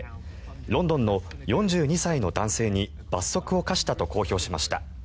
ロンドンの４２歳の男性に罰則を科したと公表しました。